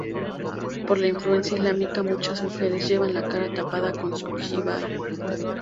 Por la influencia islámica, muchas mujeres llevan la cara tapada con su Hiyab.